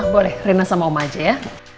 boleh rena sama omah aja ya